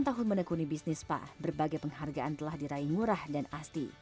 enam tahun menekuni bisnis spa berbagai penghargaan telah diraih murah dan asti